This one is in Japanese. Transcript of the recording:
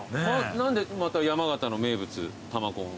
何でまた山形の名物玉こんを？